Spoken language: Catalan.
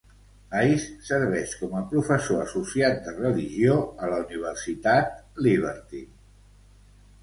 Ice serveix com a professor associat de religió a la Universitat Liberty.